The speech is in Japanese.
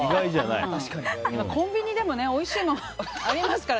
コンビニでもおいしいのありますから。